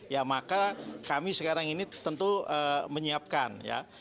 ya maka kami sekarang ini tentu menyiapkan ya